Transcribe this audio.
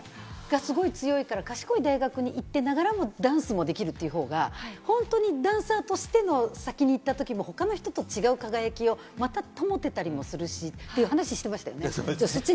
それがすごい強いから、賢い大学に行ってながらもダンスもできるという方が、本当にダンサーとしての先に行ったときも他の人と違う輝きをまた保てたりもするし、って話してましたよね？